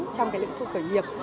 trong lĩnh vực khởi nghiệp